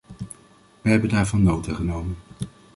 Wij hebben daarvan nota genomen.